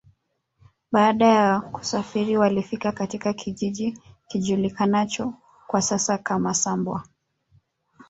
Baada ya kusafiri walifika katika kijiji kijulikanacho kwa sasa kama Sambwa